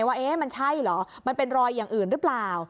ว่ามันใช่เหรอมันเป็นรอยอย่างอื่นหรือเปล่า